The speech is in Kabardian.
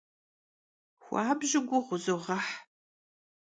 Xuabju guğu vuzoğeh.